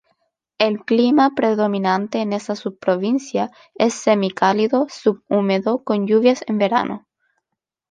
El clima predominante en esa subprovincia es semicálido subhúmedo con lluvias en verano.